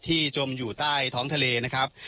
จมอยู่ใต้ท้องทะเลนะครับ